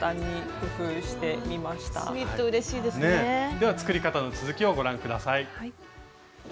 では作り方の続きをご覧下さい。